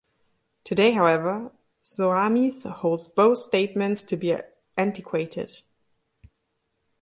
Today however, Soames holds both statements to be antiquated.